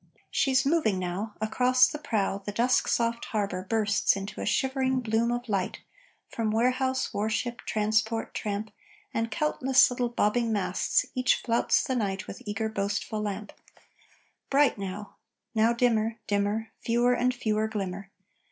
She's moving now, Across the prow The dusk soft harbor bursts Into a shivering bloom of light From warehouse, warship, transport, tramp, And countless little bobbing masts Each flouts the night With eager boastful lamp Bright now, now dimmer, dimmer, Fewer and fewer glimmer.